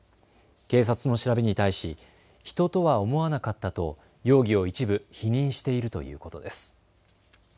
警察の調べに対し人とは思わなかったと容疑を一部、否認しているということです。